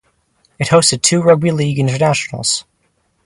It hosted two rugby league internationals.